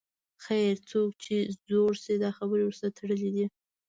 خیر، څوک چې زوړ شي دا خبرې ورسره تړلې دي.